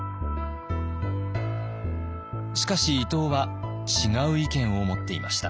しかし伊藤は違う意見を持っていました。